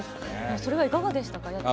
それはいかがでした。